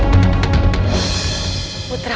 sebagai pembawa ke dunia